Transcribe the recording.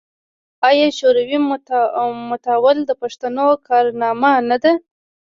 آیا د شوروي ماتول د پښتنو کارنامه نه ده؟